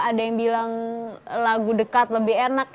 ada yang bilang lagu dekat lebih enak